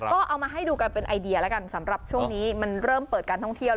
ก็เอามาให้ดูกันเป็นไอเดียแล้วกันสำหรับช่วงนี้มันเริ่มเปิดการท่องเที่ยว